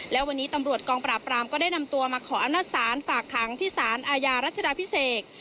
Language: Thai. และวันนี้ตำรวจกองปราบรามก็ได้นำตัวมาขออำนาจศาลฝากขังที่สารอาญารัชดาพิเศษ